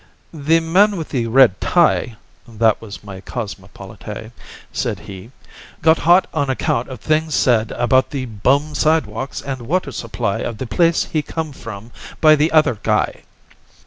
"The man with the red tie" (that was my cosmopolite), said he, "got hot on account of things said about the bum sidewalks and water supply of the place he come from by the other guy."